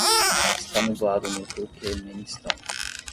está nublado no Turquemenistão